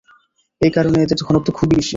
এ কারণে এদের ঘনত্ব খুবই বেশি।